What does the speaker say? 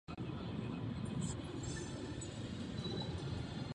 S velkým zájmem jsem poslouchal všechny vaše příspěvky.